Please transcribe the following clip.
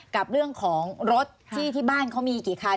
กับเรื่องของรถที่บ้านเขามีกี่คัน